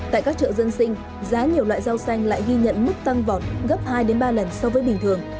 tại các chợ dân sinh giá nhiều loại rau xanh lại ghi nhận mức tăng vọt gấp hai ba lần so với bình thường